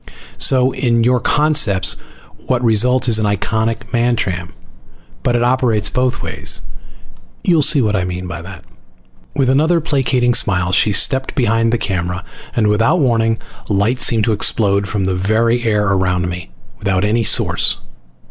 So, in your concepts, what results is an iconic Mantram. But it operates both ways. You'll see what I mean by that." With another placating smile she stepped behind the camera and without warning light seemed to explode from the very air around me, without any source.